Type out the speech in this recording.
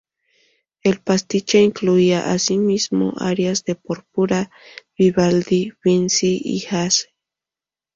El pastiche incluía así mismo arias de Porpora, Vivaldi, Vinci y Hasse.